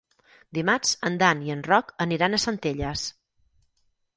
Dimarts en Dan i en Roc aniran a Centelles.